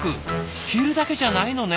昼だけじゃないのね。